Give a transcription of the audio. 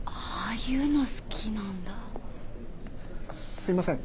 すいません。